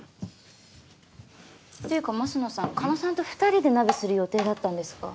っていうか升野さん狩野さんと２人で鍋する予定だったんですか？